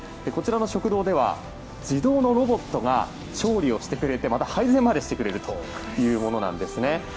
こちらの食堂では自動のロボットが調理をしてくれて配膳までしてくれるというものなんです。